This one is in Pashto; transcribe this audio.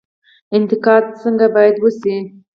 انتقاد څنګه باید وشي؟